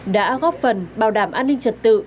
đã góp phần bảo đảm an ninh trật tự